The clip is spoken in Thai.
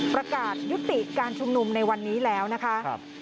ประกาศยุติการชุมนุมในวันนี้แล้วนะคะ